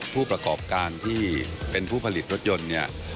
ผู้ประกอบการที่เป็นผู้ผลิตรถยนต์เนี่ย